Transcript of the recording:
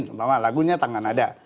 lama lama lagunya tangan ada